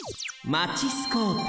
マチスコープ。